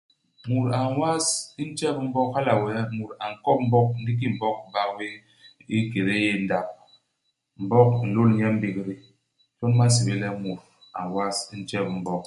Mut a n'was njep u Mbog, hala wee, mut a nkop Mbog ndi ki Mbog i bak bé i kédé yéé ndap. Mbog i nlôl nye i mbégdé. Jon ba nsébél le mut a n'was ntjep u Mbog.